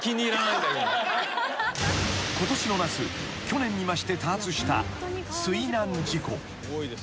［去年に増して多発した水難事故］